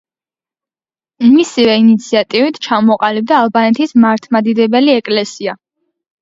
მისივე ინიციატივით ჩამოყალიბდა ალბანეთის მართლმადიდებელი ეკლესია.